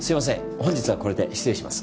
本日はこれで失礼します。